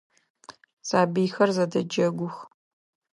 Сабыйхэр зэдэджэгух.